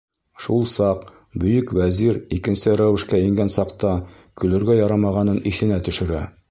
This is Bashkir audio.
Шул саҡ бөйөк вәзир икенсе рәүешкә ингән саҡта көлөргә ярамағанын иҫенә төшөрә.